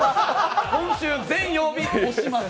今週、全曜日にします。